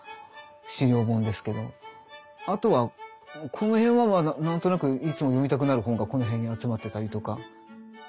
あとはこの辺は何となくいつも読みたくなる本がこの辺に集まってたりとか。